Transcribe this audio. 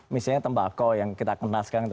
misalnya tembakau yang kita kenal sekarang